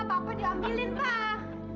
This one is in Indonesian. papa diambilin pak